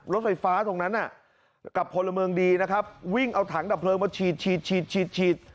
รถไฟฟ้าตรงนั้นกับพลเมืองดีนะครับวิ่งเอาถังดับเพลิงมาฉีดฉีด